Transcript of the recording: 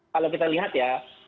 kalau kita lihat ya